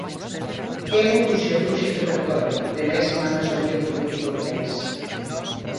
É un ruxerruxe que percorre, dende hai semanas, o ambiente político do país.